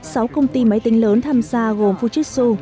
sáu công ty máy tính lớn tham gia gồm fujitsu